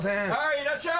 いらっしゃい。